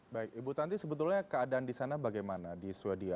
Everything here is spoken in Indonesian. baik ibu tanti sebetulnya keadaan di sana bagaimana di sweden